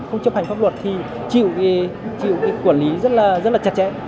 không chấp hành pháp luật thì chịu cái quản lý rất là chặt chẽ